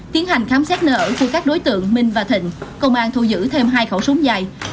tiến hành khám xét nơi ở của các đối tượng minh và thịnh công an thu giữ thêm hai khẩu súng dài